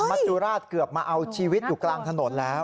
จุราชเกือบมาเอาชีวิตอยู่กลางถนนแล้ว